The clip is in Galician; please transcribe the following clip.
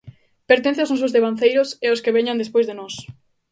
Pertence aos nosos devanceiros e aos que veñan despois de nós.